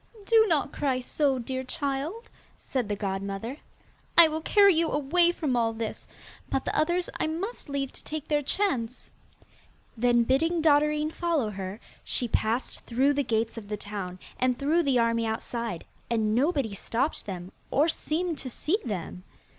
'Do not cry so, dear child,' said the godmother. 'I will carry you away from all this, but the others I must leave to take their chance.' Then, bidding Dotterine follow her, she passed through the gates of the town, and through the army outside, and nobody stopped them, or seemed to see them.